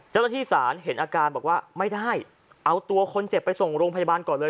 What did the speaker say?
เจ้าหน้าที่ศาลเห็นอาการบอกว่าไม่ได้เอาตัวคนเจ็บไปส่งโรงพยาบาลก่อนเลย